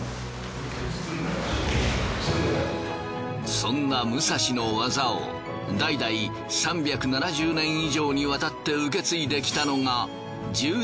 そんな武蔵の技を代々３７０年以上にわたって受け継いできたのが十二代宗家吉用清さん。